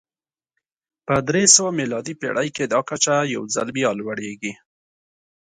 په درې سوه میلادي پېړۍ کې دا کچه یو ځل بیا لوړېږي